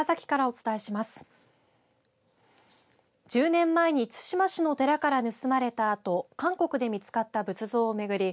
１０年前に対馬市の寺から盗まれたあと韓国で見つかった仏像を巡り